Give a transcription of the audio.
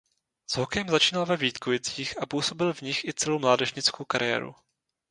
S hokejem začínal ve Vítkovicích a působil v nich i celou mládežnickou kariéru.